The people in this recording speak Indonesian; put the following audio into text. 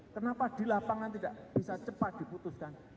kenapa di lapangan tidak bisa cepat diputuskan